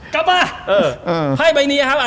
กลับมาไพ่ใบนี้ครับ